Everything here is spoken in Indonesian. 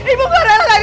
ibu gak rela lagi